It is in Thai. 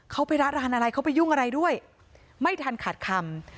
เขาไปละร้านอะไรเขาไปยุ่งอะไรด้วยไม่ทันขาดคำ